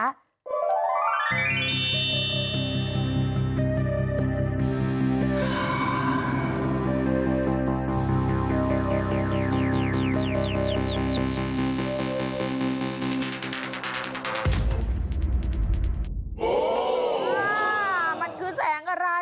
อ้าวมันคือแสงอะไรอ่ะ